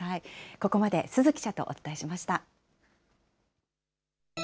ここまで鈴記者とお伝えしました。